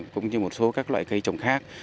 cũng như một số các loại cây trồng khác